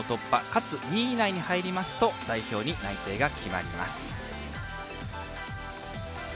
かつ２位以内に入りますと代表に内定が決まります。